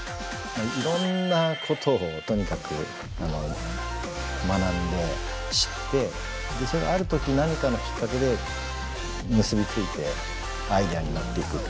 いろんなことをとにかく学んで知ってそれがある時何かのきっかけで結び付いてアイデアになっていくっていう。